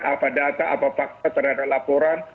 apa data apa fakta terhadap laporan